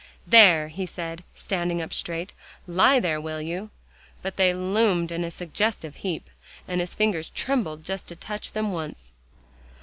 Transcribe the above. "There," he said, standing up straight, "lie there, will you?" But they loomed up in a suggestive heap, and his fingers trembled to just touch them once.